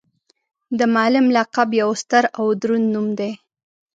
د معلم لقب یو ستر او دروند نوم دی.